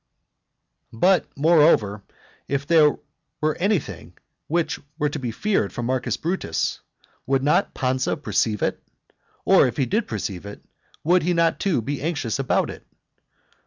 But, moreover, if there were anything which were to be feared from Marcus Brutus, would not Pansa perceive it? Or if he did perceive it, would not he, too, be anxious about it?